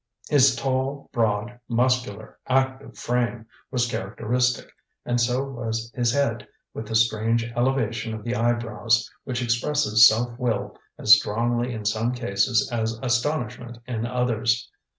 ] "His tall, broad, muscular, active frame was characteristic, and so was his head, with the strange elevation of the eyebrows which expresses self will as strongly in some cases as astonishment in others.